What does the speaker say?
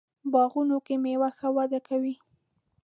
باغونو کې میوې ښه وده کوي.